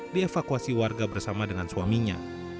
dievakuasi warga bersama dengan suaminya